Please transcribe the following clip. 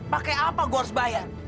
pakai apa gue harus bayar